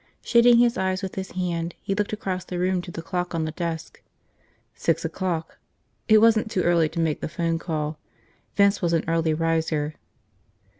Shading his eyes with his hand, he looked across the room to the clock on the desk. Six o'clock. It wasn't too early to make the phone call. Vince was an early riser.